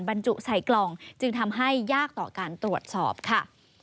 บรรจุใส่กล่องจึงทำให้ยากต่อการตรวจสอบค่ะ